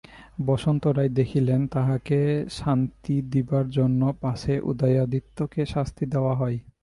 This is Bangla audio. বসন্ত রায় দেখিলেন, তাঁহাকে শান্তি দিবার জন্যই পাছে উদয়াদিত্যকে শাস্তি দেওয়া হয়।